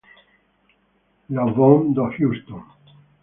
La Baume-d'Hostun